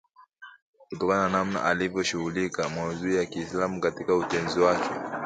Kutokana na namna alivyoshughulikia maudhui ya Kiislamu katika utenzi wake